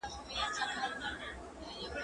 هغه وويل چي لوبه ښه ده؟